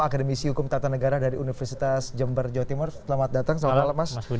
tapi ada celah hukum yang sampai saat ini menjadi perdebatan tentang status